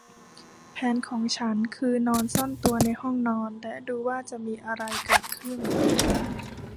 แผนของฉันคือนอนซ่อนตัวในห้องนอนและดูว่าจะมีอะไรเกิดขึ้น